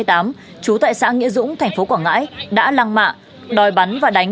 trú tại xã nghĩa dũng tp quảng ngãi đã lăng mạ đòi bắn và đánh